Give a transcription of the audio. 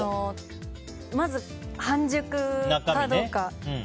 まず半熟かどうか。